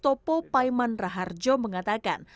topo paiman raharjo mengatakan